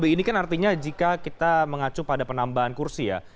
ini kan artinya jika kita mengacu pada penambahan kursi ya